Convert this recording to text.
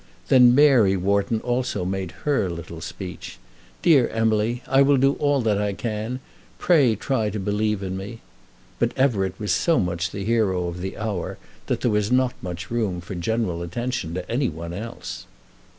Then Mary Wharton also made her little speech. "Dear Emily, I will do all that I can. Pray try to believe in me." But Everett was so much the hero of the hour, that there was not much room for general attention to any one else.